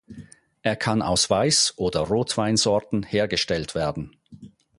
Er kann aus Weiß- oder Rotweinsorten hergestellt werden.